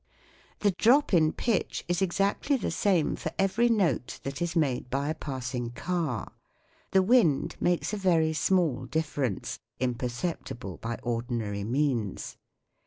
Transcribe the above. The drop in pitch is exactly the same for every note that is made by a passing car. The wind makes a very small difference, imperceptible by ordinary means.